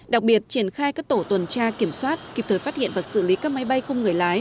đặc biệt triển khai các tổ tuần tra kiểm soát kịp thời phát hiện và xử lý các máy bay không người lái